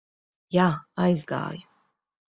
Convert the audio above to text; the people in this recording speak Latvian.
Jā, aizgāju.